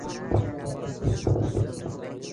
دوی د جبري کار د سیستمونو له امتیازاتو ګټه پورته کوله.